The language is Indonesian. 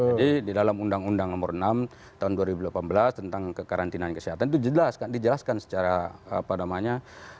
jadi di dalam undang undang nomor enam tahun dua ribu delapan belas tentang karantina dan kesehatan itu dijelaskan secara apa namanya